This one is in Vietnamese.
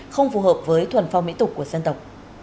không phù hợp với thuần phong mỹ tục của dân tộc